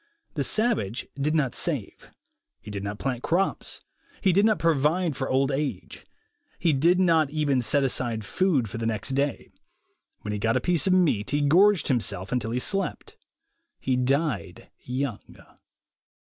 The savage did not save; he did not plant crops; he did not provide for old age. He did not even set aside food for the next day. When he got a piece of meat, he gorged himself, until he slept. He died 3 oung.